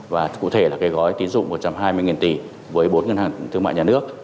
và cụ thể là cái gói tín dụng một trăm hai mươi tỷ với bốn ngân hàng thương mại nhà nước